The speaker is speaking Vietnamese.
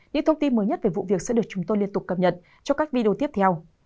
những thông tin mới nhất về vụ việc sẽ được chúng tôi liên tục cập nhật cho các video tiếp theo